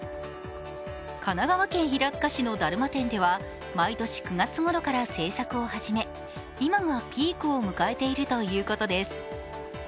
神奈川県平塚市のだるま店では毎年４月ごろから制作を始め、今がピークを迎えているということです。